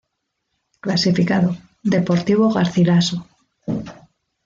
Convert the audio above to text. Clasificado: Deportivo Garcilaso.